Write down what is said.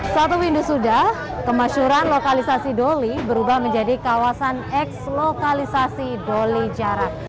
satu windu sudah kemasyuran lokalisasi doli berubah menjadi kawasan eks lokalisasi doli jarak